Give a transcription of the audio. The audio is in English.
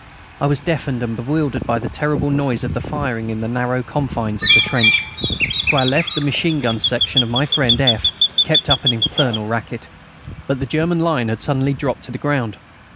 I was deafened and bewildered by the terrible noise of the firing in the narrow confines of the trench. To our left, the machine gun section of my friend F. kept up an infernal racket. But the German line had suddenly dropped to the ground.